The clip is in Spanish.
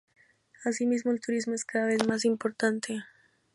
Asimismo, el turismo es cada vez más importante.